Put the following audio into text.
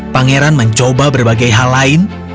pangeran mencoba berbagai hal lain